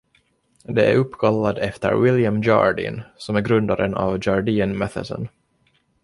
Det är uppkallad efter William Jardine som är grundaren av Jardine Matheson.